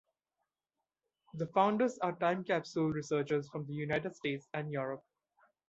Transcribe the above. The founders are time capsule researchers from the United States and Europe.